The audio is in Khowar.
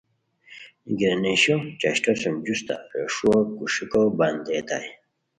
گرینیشو چاشٹو سُم جوستہ ریݰوؤ کو ݰیکو بندیتائے